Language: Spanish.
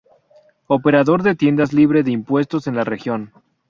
Operador de tiendas libre de impuestos en la región.